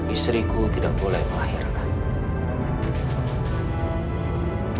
istriku tidak boleh melahirkan